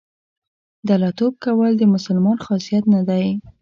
دله توب کول د مسلمان خاصیت نه دی.